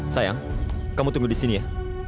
sayang kamu tunggu di sini ya